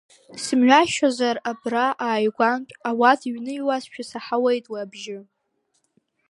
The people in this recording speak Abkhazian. Сымҩашьозар, абра ааигәантә ауада иҩныҩуазшәа саҳауеит уи абжьы.